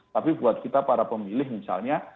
tapi buat kita para pemilih misalnya